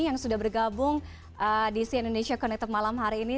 yang sudah bergabung di si indonesia connected malam hari ini